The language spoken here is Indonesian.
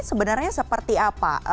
sebenarnya seperti apa